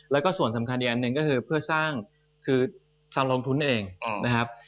แล้วก็ส่วนสำคัญอีกอันหนึ่งก็คือเพื่อสร้างคือการลงทุนเองนะครับ